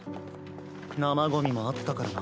生ゴミもあったからな。